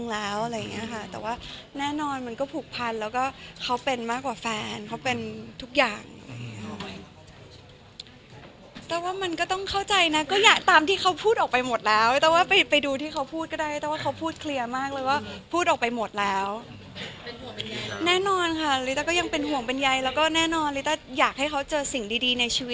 แล้วอะไรอย่างนี้ค่ะแต่ว่าแน่นอนมันก็ผูกพันแล้วก็เขาเป็นมากกว่าแฟนเขาเป็นทุกอย่างแต่ว่ามันก็ต้องเข้าใจนะก็อยากตามที่เขาพูดออกไปหมดแล้วแต่ว่าไปไปดูที่เขาพูดก็ได้แต่ว่าเขาพูดเคลียร์มากเลยว่าพูดออกไปหมดแล้วแน่นอนค่ะหรือแต่ก็ยังเป็นห่วงเป็นใยแล้วก็แน่นอนหรือแต่อยากให้เขาเจอสิ่งดีในชีว